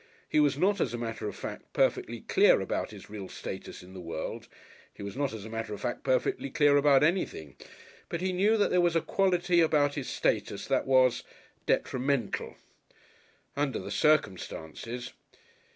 He was not, as a matter of fact, perfectly clear about his real status in the world (he was not, as a matter of fact, perfectly clear about anything), but he knew that there was a quality about his status that was detrimental. Under the circumstances